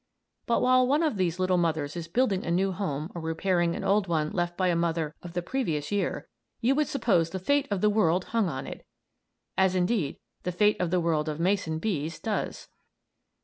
But while one of these little mothers is building a new home or repairing an old one left by a mother of the previous year, you would suppose the fate of the world hung on it; as indeed the fate of the world of mason bees does.